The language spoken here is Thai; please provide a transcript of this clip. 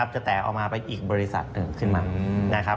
จะแตกออกมาไปอีกบริษัทหนึ่งขึ้นมา